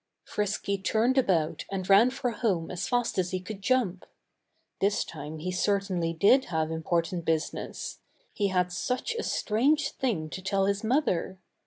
Frisky turned about and ran for home as fast as he could jump. This time he certainly did have important business. He had such a strange thing to tell his mother!